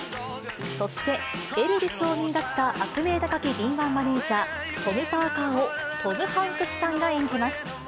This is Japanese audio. そして、エルヴィスを見いだした悪名高い敏腕マネージャー、トム・パーカーを、トム・ハンクスさんが演じます。